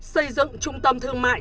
xây dựng trung tâm thương mại